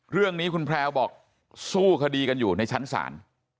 เรื่องนี้คุณแพรวบอกสู้คดีกันอยู่ในชั้นศาล